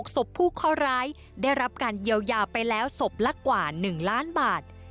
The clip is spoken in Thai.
ศพผู้ข้อร้ายได้รับการเยียวยาไปแล้วศพละกว่า๑ล้านบาท